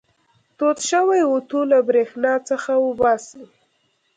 تود شوی اوتو له برېښنا څخه وباسئ.